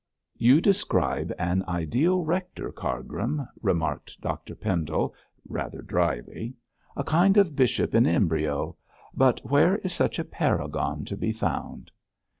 'You describe an ideal rector, Cargrim,' remarked Dr Pendle, rather dryly, 'a kind of bishop in embryo; but where is such a paragon to be found?'